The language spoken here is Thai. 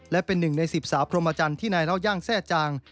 และเป็นหนึ่งในสิบสาวพรมจันทร์ที่นายเล่าย่างแทร่จาง